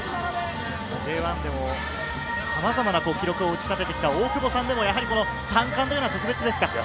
Ｊ１でも、さまざまな記録を打ち立ててきた大久保さんでも、３冠というのは特別ですか？